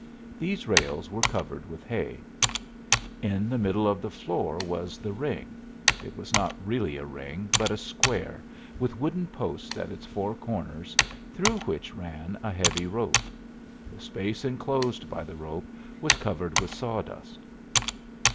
These rails were covered with hay. In the middle of the floor was the ring. It was not really a ring, but a square, with wooden posts at its four corners through which ran a heavy rope. The space enclosed by the rope was covered with sawdust.